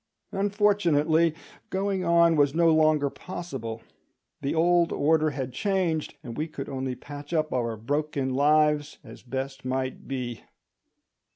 Unfortunately, going on was no longer possible; the old order had changed, and we could only patch up our broken lives as best might be.